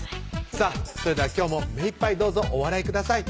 さぁそれでは今日も目いっぱいどうぞお笑いください